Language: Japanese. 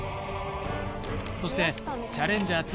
そしてチャレンジャー